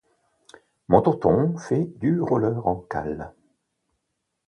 Mon tonton fait du roller en cale